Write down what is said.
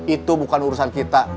itu bukan urusan kita